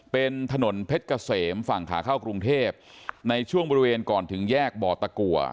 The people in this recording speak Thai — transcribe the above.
เป็นถนนเพชรเกษมฝั่งขาเข้ากรุงเทพในช่วงบริเวณก่อนถึงแยกบ่อตะกัว